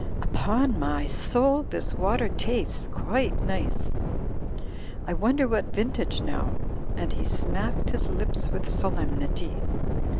Upon my soul, this water tastes quite nice. I wonder what vintage now?" and he smacked his lips with solemnity.